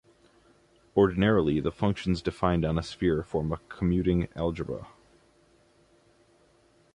Ordinarily, the functions defined on a sphere form a commuting algebra.